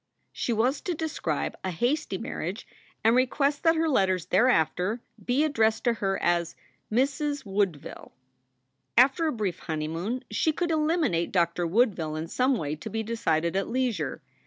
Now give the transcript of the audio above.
She 32 SOULS FOR SALE was to describe a hasty marriage and request that her letters thereafter be addressed to her as "Mrs. Woodville." After a brief honeymoon she could eliminate Doctor Woodville in some way to be decided at leisure.